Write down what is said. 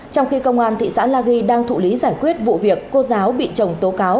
trong khi công an thị xã la ghi đang thụ lý giải quyết vụ việc cô giáo bị chồng tố cáo